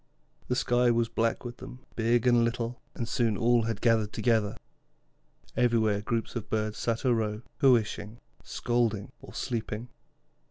The sky was black with them, big and little, and soon all had gathered together. Everywhere groups of birds sat a row, cooishing, scolding, or sleeping.